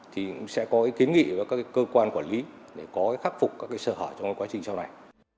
thì cũng sẽ có cái kiến nghị với các cơ quan quản lý để có cái khắc phục các cái sở hỏi trong quá trình sau này